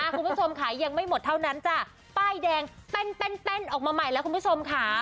คุณผู้ชมค่ะยังไม่หมดเท่านั้นจ้ะป้ายแดงเต้นออกมาใหม่แล้วคุณผู้ชมค่ะ